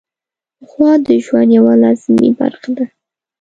غوا د ژوند یوه لازمي برخه ده.